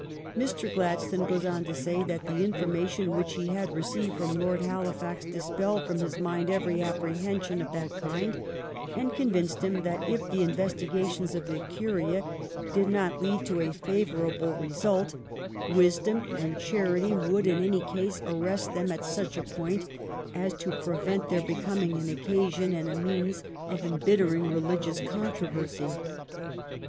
Mr. Gladstone goes on to say that the infor mation which he had received from Lord Halifax dispelled from his mind every apprehension of that kind, and convinced him that if the investi gations of the Curia did not lead to a favorable result, wisdom and charity would in any case arrest them at such a point as to prevent their becoming an occasion and a means of embitter ing religious controversy.